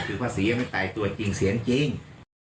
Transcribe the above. ถือว่าเสียไม่ตายตัวจริงเสียจริง